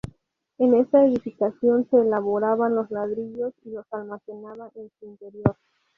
En esta edificación se elaboraban los ladrillos y los almacenaban en su interior.